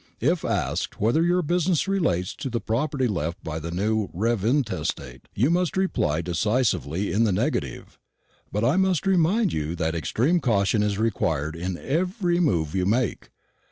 If asked whether your business relates to the property left by the rev. intestate, you must reply decisively in the negative. But I must remind you that extreme caution is required in every move you make.